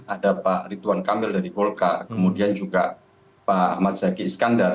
ada pak rituan kamil dari golkar kemudian juga pak ahmad zaki iskandar